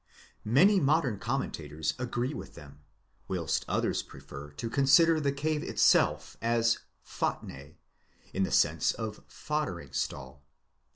Many modern commentators agree with them ®; whilst others prefer to consider the cave itself as φάτνη, in the sense of foddering stall.?